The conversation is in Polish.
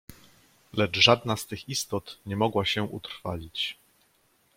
"Lecz żadna z tych istot nie mogła się utrwalić."